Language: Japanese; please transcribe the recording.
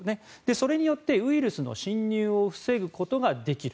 それによってウイルスの侵入を防ぐことができる。